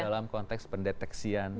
dalam konteks pendeteksian